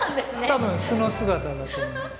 多分素の姿だと思います。